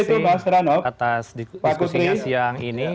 terima kasih atas diskusinya siang ini